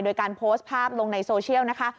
โดยการโพสต์ภาพลงในโซเชียลนะคะ